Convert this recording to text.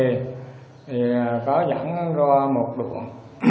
thì có dẫn nó ra một đoạn